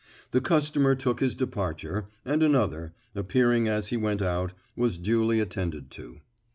The customer took his departure, and another, appearing as he went out, was duly attended to.